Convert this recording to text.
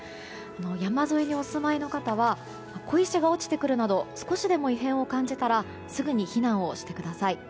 山沿いにお住まいの方は小石が落ちてくるなど少しでも異変を感じたらすぐに避難をしてください。